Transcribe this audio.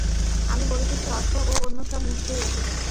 আমি বলিতেছি, অর্থ ও অন্য সব নিশ্চয় আসিবে।